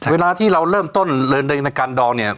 เวลาที่เราเริ่มต้นในการดอง